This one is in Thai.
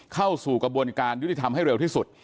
เข้าสู่กระบวนการยุติธรรมให้เร็วที่สุด